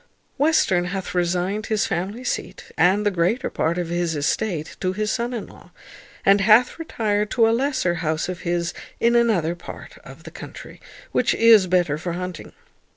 Western hath resigned his family seat, and the greater part of his estate, to his son in law, and hath retired to a lesser house of his in another part of the country, which is better for hunting.